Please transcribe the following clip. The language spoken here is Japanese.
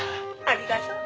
ありがとう。